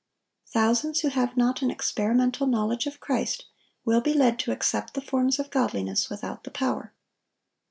Thousands who have not an experimental knowledge of Christ will be led to accept the forms of godliness without the power.